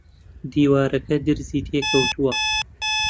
دیوارەکە درزی تێ کەوتووە